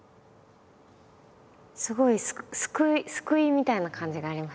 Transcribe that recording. すごい救いみたいな感じがあります。